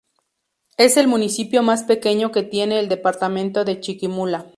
Es el municipio más pequeño que tiene el departamento de Chiquimula.